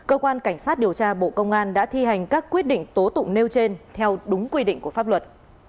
cơ quan cảnh sát điều tra bộ công an đã thi hành các quyết định tố tụng nêu trên theo đúng quy định của pháp luật